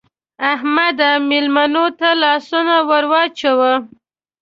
احمده! مېلمنو ته لاسونه ور واچوه.